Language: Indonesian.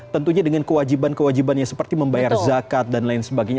tentunya dengan kewajiban kewajibannya seperti membayar zakat dan lain sebagainya